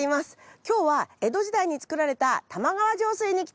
今日は江戸時代に造られた玉川上水に来ています。